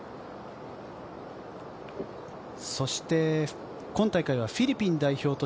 そして今大会はフィリピン代表と